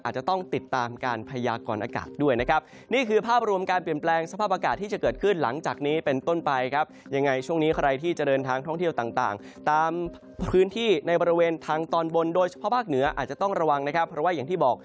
อาจจะต้องติดตามการพยากรอากาศด้วยนะครับ